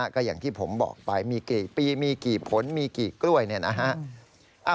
ก็อย่างที่ผมบอกไปมีกี่ปีมีกี่ผลมีกี่กล้วยเนี่ยนะฮะ